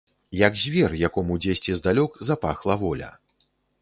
Як звер, якому дзесьці здалёк запахла воля.